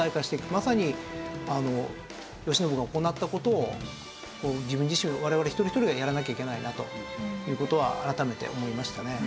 まさに慶喜が行った事を自分自身我々一人一人がやらなきゃいけないなという事は改めて思いましたね。